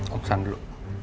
om san dulu